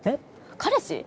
彼氏？